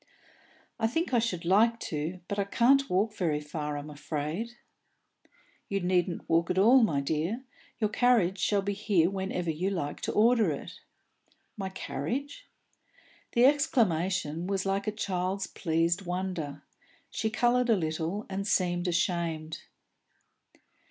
"I think I should like to, but I can't walk very far, I'm afraid." "You needn't walk at all, my dear. Your carriage shall be here whenever you like to order it." "My carriage?" The exclamation was like a child's pleased wonder. She coloured a little, and seemed ashamed.